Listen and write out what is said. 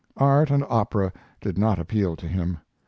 Art and opera did not appeal to him.